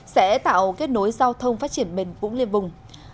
sẽ tạo kết nối giao thông phát triển mềm vũ liên vùng